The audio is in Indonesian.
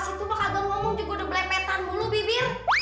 situ mah agar ngomong juga udah melepetan mulu bibir